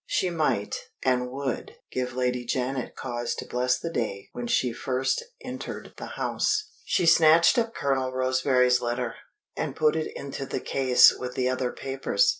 She might, and would, give Lady Janet cause to bless the day when she first entered the house. She snatched up Colonel Roseberry's letter, and put it into the case with the other papers.